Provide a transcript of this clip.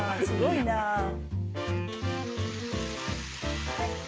すごいなぁ。